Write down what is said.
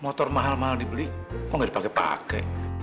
motor mahal mahal dibeli kok nggak dipake pake